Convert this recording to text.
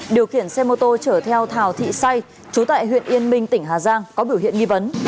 điều khiển xe mô tô chở theo thảo thị say chú tại huyện yên minh tỉnh hà giang có biểu hiện nghi vấn